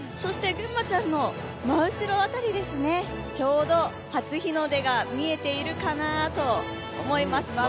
ぐんまちゃんの真後ろ辺り、ちょうど初日の出が見えているかなと思います。